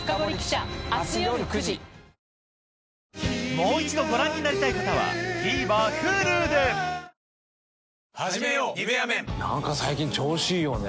もう一度ご覧になりたい方はＴＶｅｒＨｕｌｕではじめよう「ニベアメン」なんか最近調子いいよね？